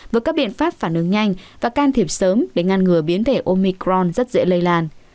với các biện pháp phản ứng nhanh và can thiệp sớm để ngăn ngừa biến thể omicron rất dễ lây lan